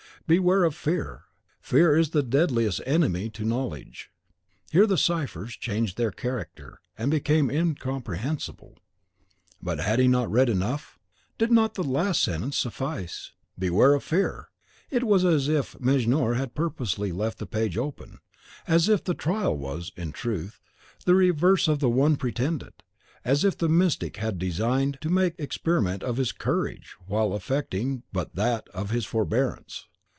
Beware of Fear. Fear is the deadliest enemy to Knowledge." Here the ciphers changed their character, and became incomprehensible. But had he not read enough? Did not the last sentence suffice? "Beware of Fear!" It was as if Mejnour had purposely left the page open, as if the trial was, in truth, the reverse of the one pretended; as if the mystic had designed to make experiment of his COURAGE while affecting but that of his FORBEARANCE.